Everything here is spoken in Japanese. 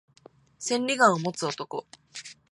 千里眼を持つ男